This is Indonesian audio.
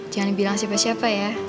jangan dibilang siapa siapa ya